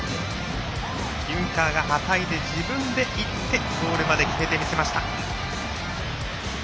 ユンカーがはたいて自分でいってゴールまで決めてみせました。